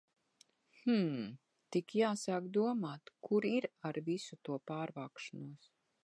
Hm, tik jāsāk domāt, kur ir ar visu to pārvākšanos.